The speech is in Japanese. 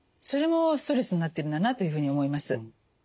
それもストレスになってるんだなというふうに思います。